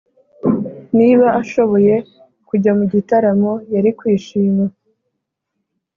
niba ashoboye kujya mu gitaramo, yari kwishima.